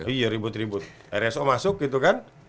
iya ribut ribut rso masuk gitu kan